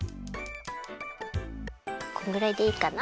このぐらいでいいかな？